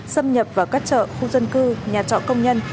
xâm nhập vào các chợ khu dân cư nhà trọ công nhân